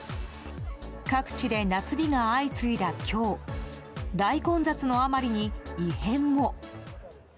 各地で夏日が相次いだ今日大混雑のあまりに、異変も。